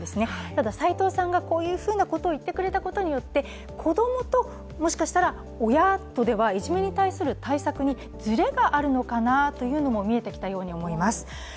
ただ、斉藤さんがこういうことを言ってくれたことによって子供と、もしかしたら親とではいじめに対する対策にずれがあるのかなというのも見えてきたように思います。